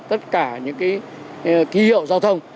tất cả những cái ký hiệu giao thông